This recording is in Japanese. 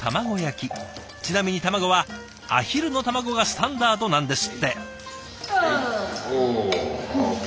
ちなみに卵はアヒルの卵がスタンダードなんですって。